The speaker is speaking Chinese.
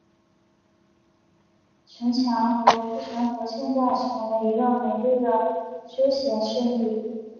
城墙和护城河现在成为一个美丽的休闲胜地。